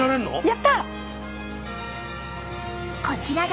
やった！